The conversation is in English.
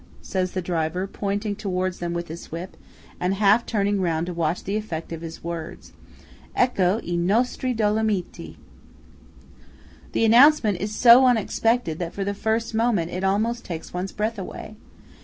says the driver, pointing towards them with his whip, and half turning round to watch the effect of his words, "Ecco i nostri Dolomiti!" The announcement is so unexpected that for the first moment it almost takes one's breath away.